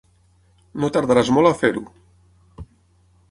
No tardaràs molt a fer-ho.